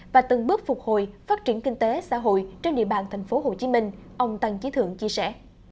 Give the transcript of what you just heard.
và từng bước phục hồi phát triển kinh tế xã hội trên địa bàn thành phố hồ chí minh ông tăng chí thượng chia sẻ